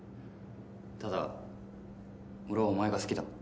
ただ俺はお前が好きだ。